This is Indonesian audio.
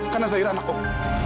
karena zahira anak om